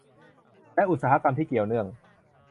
และอุตสาหกรรมที่เกี่ยวเนื่อง